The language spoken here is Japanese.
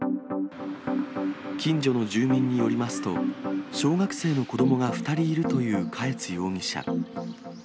近所の住民によりますと、小学生の子どもが２人いるという嘉悦容疑者。